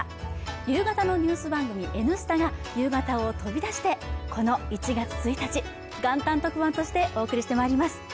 夕方のニュース番組「Ｎスタ」が夕方を飛び出してこの１月１日、元旦特番としてお送りしてまいります。